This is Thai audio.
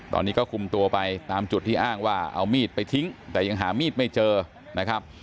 ตอนนี้ก็คุมตัวไปตามจุดที่อ้างว่าเอามีดไปทิ้งแต่ยังหามีดไม่เจอนะครับ